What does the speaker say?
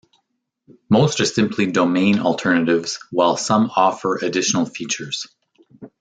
Most are simply domain alternatives while some offer additional features.